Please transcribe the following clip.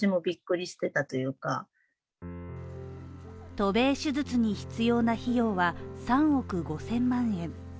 渡米手術に必要な費用は３億５０００万円。